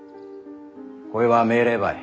こいは命令ばい。